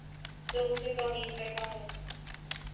لوگوں کے توہین کرتا ہوں